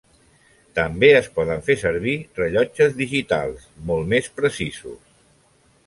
També es poden fer servir rellotges digitals, molt més precisos.